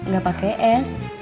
gak pake es